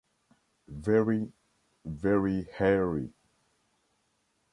Very, very hairy.